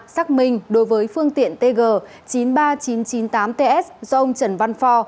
xác minh đối với phương tiện tg chín mươi ba nghìn chín trăm chín mươi tám ts do ông trần văn phò